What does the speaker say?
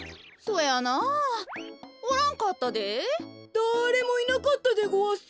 だれもいなかったでごわす。